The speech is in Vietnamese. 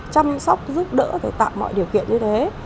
chăm sóc giúp đỡ tạo mọi điều kiện như thế